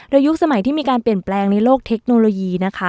โดยยุคสมัยที่มีการเปลี่ยนแปลงในโลกเทคโนโลยีนะคะ